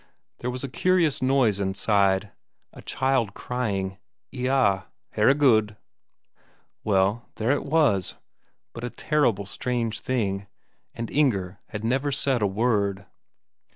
There was a curious noise inside.... A child crying Eyah, Herregud!... Well, there it was; but a terrible strange thing. And Inger had never said a word.